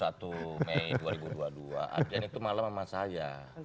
artinya itu malam sama saya